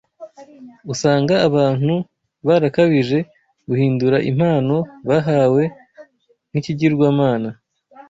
Usanga abantu barakabije guhindura impano bahawe nk’ikigirwamana